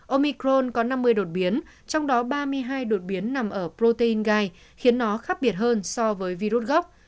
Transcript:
omicron có năm mươi đột biến trong đó ba mươi hai đột biến nằm ở protein gai khiến nó khác biệt hơn so với virus gốc